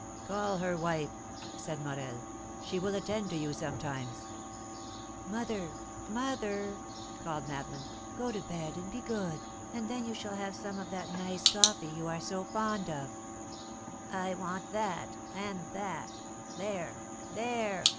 "Call her, wife!" said Morel. "She will attend to you sometimes." "Mother! mother!" called Madeleine, "go to bed, and be good, and then you shall have some of that nice coffee you are so fond of!" "I want that! and that! There! there!"